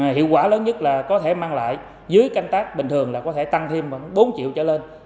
hiệu quả lớn nhất là có thể mang lại dưới canh tác bình thường là có thể tăng thêm bốn triệu trở lên